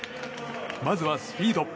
まずはスピード。